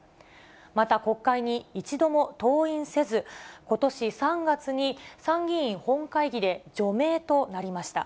また、国会に一度も登院せず、ことし３月に参議院本会議で除名となりました。